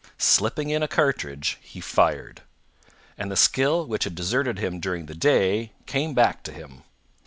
Slipping in a cartridge, he fired; and the skill which had deserted him during the day came back to him.